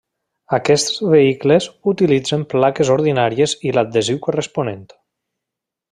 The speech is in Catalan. Aquests vehicles utilitzen plaques ordinàries i l'adhesiu corresponent.